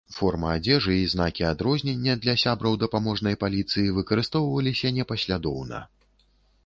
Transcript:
Форма адзежы і знакі адрознення для сябраў дапаможнай паліцыі выкарыстоўваліся непаслядоўна.